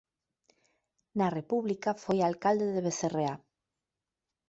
Na República foi alcalde de Becerreá.